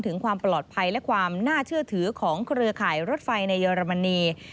ถึงความปลอดภัยและความน่าเชื่อถือของเครือข่ายรถไฟในเยอรมนี